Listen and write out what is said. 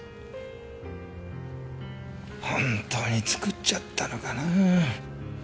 本当に作っちゃったのかなあ。